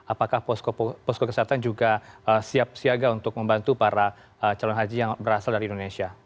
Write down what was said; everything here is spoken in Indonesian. apakah posko kesehatan juga siap siaga untuk membantu para calon haji yang berasal dari indonesia